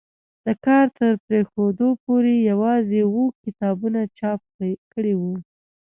د کار تر پرېښودو پورې یوازې اووه کتابونه چاپ کړي وو.